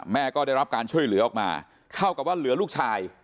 ก็ได้รับการช่วยเหลือออกมาเท่ากับว่าเหลือลูกชาย